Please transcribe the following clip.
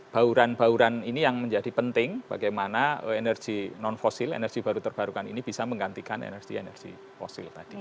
bauran bauran ini yang menjadi penting bagaimana energi non fosil energi baru terbarukan ini bisa menggantikan energi energi fosil tadi